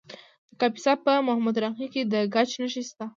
د کاپیسا په محمود راقي کې د ګچ نښې شته.